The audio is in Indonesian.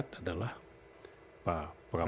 terima kasih pak sby